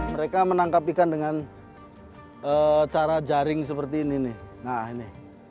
mereka menangkap ikan dengan cara jaring seperti ini